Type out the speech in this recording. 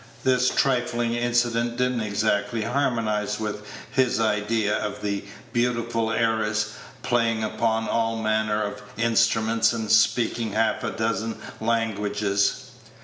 This trifling incident did n't exactly harmonize with his idea of the beautiful heiress, playing upon all manner of instruments, and speaking half a dozen languages.